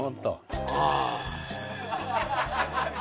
ああ。